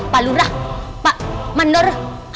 pak lurah pak mandor